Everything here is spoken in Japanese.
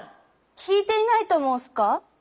聞いていないと申すか？